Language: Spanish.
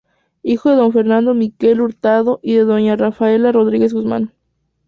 Hijo de don Fernando Miquel Hurtado y de doña Rafaela Rodríguez Guzmán.